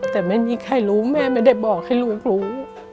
แต่ไม่มีใครรู้แม่ไม่ได้บอกให้ลูกรู้